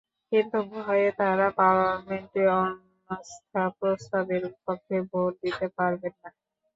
কিন্তু ভয়ে তাঁরা পার্লামেন্টে অনাস্থা প্রস্তাবের পক্ষে ভোট দিতে পারবেন না।